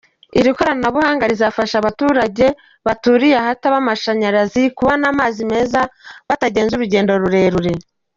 Iri koranabuhanga rizafasha abaturgage baturiye ahataba amashanyarazi kubona amazi meza batagenze urugendo rurerure.